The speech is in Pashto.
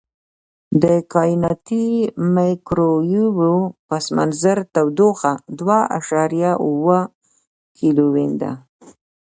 د کائناتي مایکروویو پس منظر تودوخه دوه اعشاریه اووه کیلوین ده.